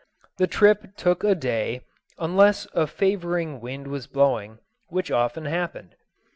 The trip took a day unless a favoring wind was blowing, which often happened.